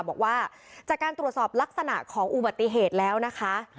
บอกว่าจากการตรวจสอบลักษณะของอุบัติเหตุแล้วนะคะ